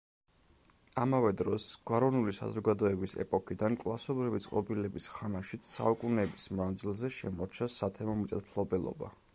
ამავე დროს გვაროვნული საზოგადოების ეპოქიდან კლასობრივი წყობილების ხანაშიც საუკუნეების მანძილზე შემორჩა სათემო მიწათმფლობელობა.